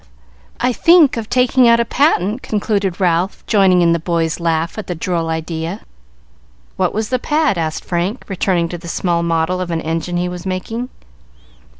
I think of taking out a patent," concluded Ralph, joining in the boys' laugh at the droll idea. "What was the pad?" asked Frank, returning to the small model of an engine he was making.